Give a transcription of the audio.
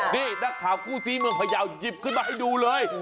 นี่นักข่าวคู่ซี้เมืองพยาวหยิบขึ้นมาให้ดูเลย